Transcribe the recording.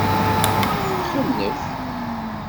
Xennef.